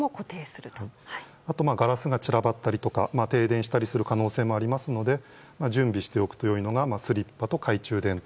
ガラスが散らばったり停電したりする可能性もありますので準備しておいたほうがいいのがスリッパと懐中電灯。